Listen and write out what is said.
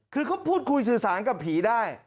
คือเขาพูดคุยสื่อสารกับผีได้